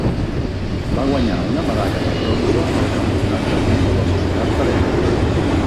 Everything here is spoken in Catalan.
Va guanyar una medalla de bronze al Campionat de món de Velocitat per equips.